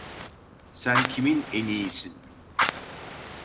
Sen kimin eniğisin?